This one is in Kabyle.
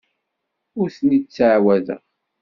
Ur ten-id-ttɛawadeɣ.